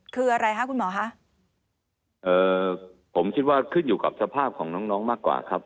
คืออะไรคะคุณหมอคะเอ่อผมคิดว่าขึ้นอยู่กับสภาพของน้องน้องมากกว่าครับ